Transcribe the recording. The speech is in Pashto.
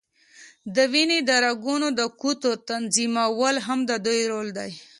د وینې د رګونو د قطر تنظیمول هم د دوی رول دی.